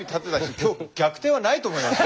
今日逆転はないと思いますよ。